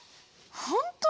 ほんと？